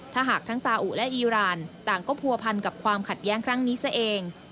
ถ้าหากทั้งซาอุและอีรานต่างก็ผัวพันกับความขัดแย้งครั้งนี้ซะเอง